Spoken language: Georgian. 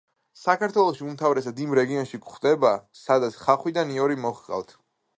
საქართველოში უმთავრესად იმ რეგიონებში გვხვდება, სადაც ხახვი და ნიორი მოჰყავთ.